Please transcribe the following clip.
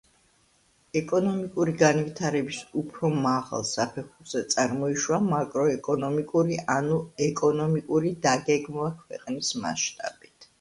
ეკონომიკური განვითარების უფრო მაღალ საფეხურზე წარმოიშვა მაკროეკონომიკური, ანუ ეკონომიკური დაგეგმვა ქვეყნის მასშტაბით.